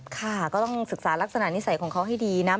ค่ะก็ต้องศึกษาลักษณะนิสัยของเขาให้ดีนะ